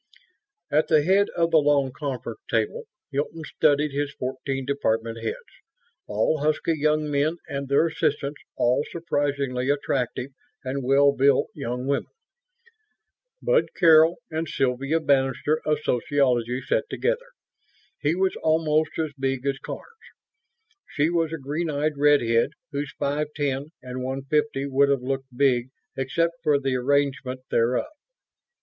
At the head of the long conference table, Hilton studied his fourteen department heads, all husky young men, and their assistants, all surprisingly attractive and well built young women. Bud Carroll and Sylvia Bannister of Sociology sat together. He was almost as big as Karns; she was a green eyed redhead whose five ten and one fifty would have looked big except for the arrangement thereof.